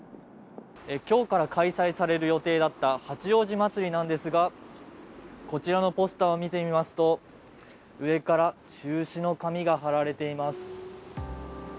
今日から開催される予定だった八王子まつりなんですがこちらのポスターを見てみますと、上から中止の紙が貼られています。